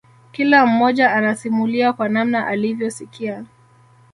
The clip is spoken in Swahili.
Kila mmoja anasimulia kwa namna alivyosikia